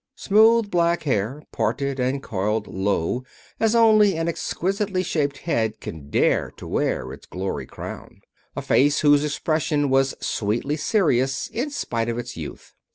Smooth black hair parted and coiled low as only an exquisitely shaped head can dare to wear its glory crown. A face whose expression was sweetly serious in spite of its youth.